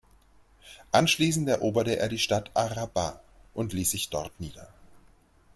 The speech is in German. Anschließend eroberte er die Stadt ar-Rahba und ließ sich dort nieder.